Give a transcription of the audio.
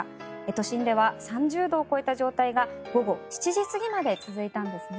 都心では３０度を超えた状態が午後７時過ぎまで続いたんですね。